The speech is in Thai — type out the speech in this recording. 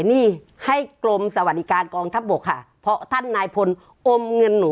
หนี้ให้กรมสวัสดิการกองทัพบกค่ะเพราะท่านนายพลอมเงินหนู